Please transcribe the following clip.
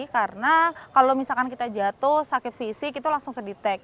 kalau misalkan kita jatuh sakit fisik itu langsung kedeteksi